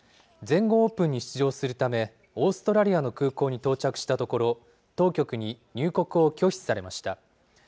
全豪オープンに出場するため、オーストラリアの空港に到着したところ、当局に入国を拒否されました。